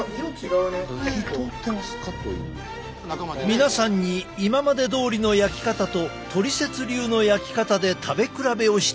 皆さんに今までどおりの焼き方とトリセツ流の焼き方で食べ比べをしていただこう。